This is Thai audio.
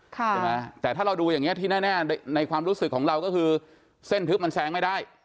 ใช่ไหมแต่ถ้าเราดูอย่างเงี้ที่แน่ในความรู้สึกของเราก็คือเส้นทึบมันแซงไม่ได้